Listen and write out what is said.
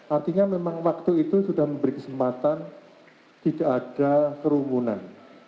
artinya memang waktu itu sudah memberi kesempatan tidak ada kerumunan